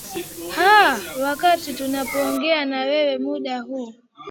aa wakati tunapoongea na wewe muda huu